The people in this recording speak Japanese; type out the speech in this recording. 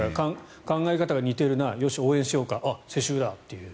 考え方が似ているなよし、応援しようかあっ、世襲だっていう。